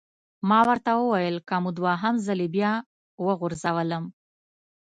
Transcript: ما ورته وویل: که مو دوهم ځلي بیا وغورځولم!